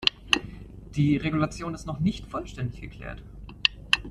Die Regulation ist noch nicht vollständig geklärt.